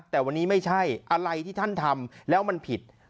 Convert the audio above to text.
แต่วันนี้ไม่ใช่อะไรที่ท่านทำแล้วมันผิด